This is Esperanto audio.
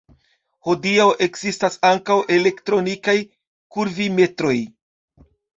Hodiaŭ ekzistas ankaŭ elektronikaj kurvimetroj.